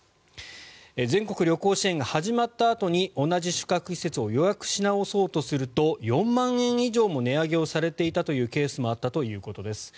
全国旅行支援が始まったあとに同じ宿泊施設を予約し直そうとすると４万円以上も値上げをされていたというケースもあったということです。